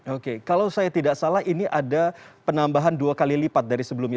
oke kalau saya tidak salah ini ada penambahan dua kali lipat dari sebelumnya